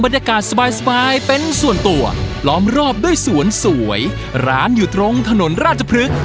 โดยสวนสวยร้านอยู่ตรงทะหนวนราจปลึก